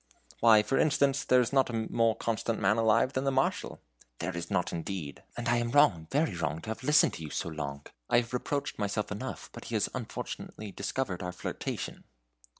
"Why, for instance, there is not a more constant man alive than the Marshal." "There is not indeed! and I am wrong, very wrong to have listened to you so long. I reproached myself enough, but he has unfortunately discovered our flirtation."